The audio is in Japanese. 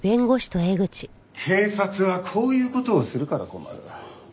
警察はこういう事をするから困る。